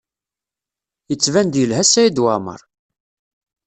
Yettban-d yelha Saɛid Waɛmaṛ.